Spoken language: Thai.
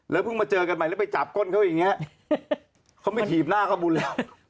เพิ่งมาเจอกันใหม่แล้วไปจับก้นเขาอย่างนี้เขาไม่ถีบหน้าเขาบุญแล้ว